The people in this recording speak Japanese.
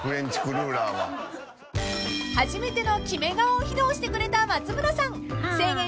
［初めての決め顔を披露してくれた松村さん］